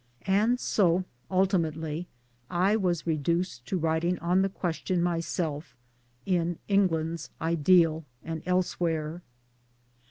And so ultimately I was reduced to writing on the question myself in England's Ideal and elsewhere.